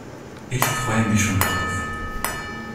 Ich freue mich schon darauf.